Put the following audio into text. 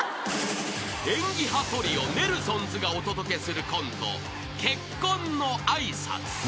［演技派トリオネルソンズがお届けするコント］